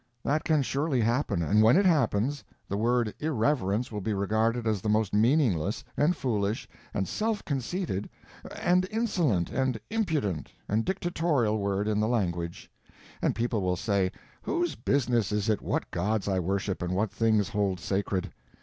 That can surely happen, and when it happens, the word Irreverence will be regarded as the most meaningless, and foolish, and self conceited, and insolent, and impudent, and dictatorial word in the language. And people will say, "Whose business is it what gods I worship and what things hold sacred?